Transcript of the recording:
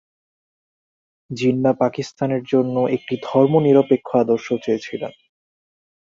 জিন্নাহ পাকিস্তানের জন্য একটি ধর্মনিরপেক্ষ আদর্শ চেয়েছিলেন।